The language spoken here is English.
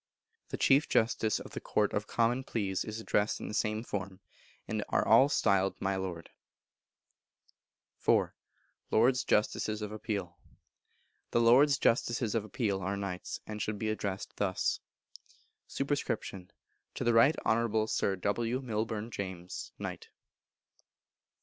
The Chief Justice of the Court of Common Pleas is addressed in the same form, and are all styled My Lord. iv. Lords Justices of Appeal. The Lords Justices of Appeal are Knights, and should be addressed thus: Sup. To the Right Honourable Sir W. Milbourne James, Knt.